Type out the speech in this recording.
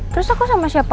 terus aku sama siapa